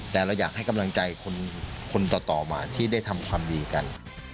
แต่เราอยากให้กำลังใจคนต่อมาที่ได้ทำความดีกัน